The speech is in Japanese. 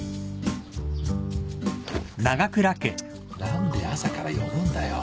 何で朝から呼ぶんだよ？